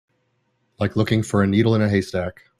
Like looking for a needle in a haystack.